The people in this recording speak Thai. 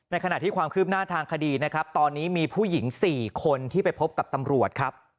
ในขณะที่ความคืบหน้าทางคดีตอนนี้มีผู้หญิง๔คนที่ไปพบตำรวจ